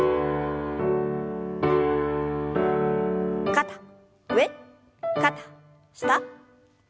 肩上肩下。